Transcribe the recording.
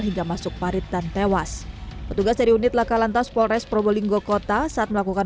hingga masuk parit dan tewas petugas dari unit laka lantas polres probolinggo kota saat melakukan